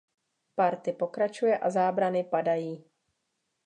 Party pokračuje a zábrany padají.